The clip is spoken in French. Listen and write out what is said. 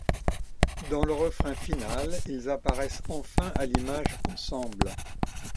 Dans le refrain final, ils apparaissent enfin à l'image ensemble.